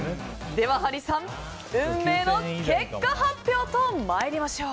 では、ハリーさん運命の結果発表と参りましょう。